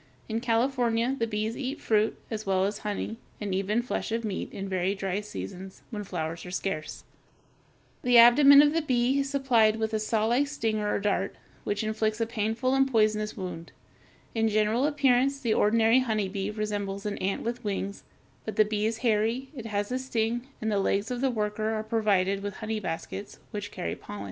In California, the bees eat fruit as well as honey, and even flesh or meat, in very dry seasons, when flowers are scarce. The abdomen of the bee (Fig. 249) is supplied with a sawlike stinger or dart (Fig. 250) which inflicts a painful and poisonous wound. In general appearance the ordinary honeybee resembles an ant with wings; but the bee is hairy, it has a sting, and the legs of the worker are provided with "honey baskets," which carry pollen. [Illustration: FIG. 249. Bees: a, queen; b, drone; c, worker.